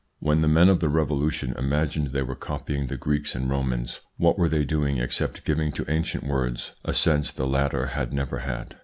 When the men of the Revolution imagined they were copying the Greeks and Romans, what were they doing except giving to ancient words a sense the latter had never had?